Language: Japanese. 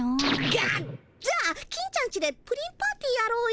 がっ！じゃあ金ちゃんちでプリンパーティーやろうよ。